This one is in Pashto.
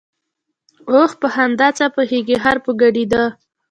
ـ اوښ په خندا څه پوهېږي ، خر په ګډېدا.